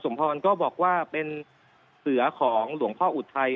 พรก็บอกว่าเป็นเสือของหลวงพ่ออุทัย